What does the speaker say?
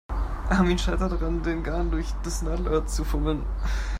Armin scheitert daran, den Garn durch das Nadelöhr zu fummeln.